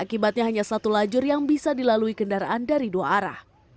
akibatnya hanya satu lajur yang bisa dilalui kendaraan dari dua arah